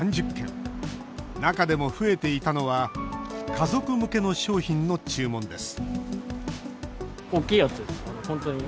中でも増えていたのは家族向けの商品の注文です